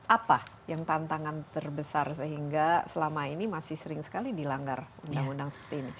apa yang tantangan terbesar sehingga selama ini masih sering sekali dilanggar undang undang seperti ini